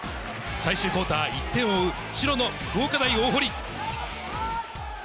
最終クオーター、１点を追う白の福岡大大濠。